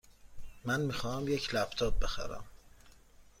من می خواهم یک لپ تاپ بخرم.